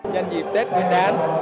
nhanh dịp tết quyến đán